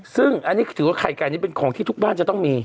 ซึ่งอันนี้ถือว่าไข่ไก่นี้เป็นของที่ทุกบ้านจะต้องมี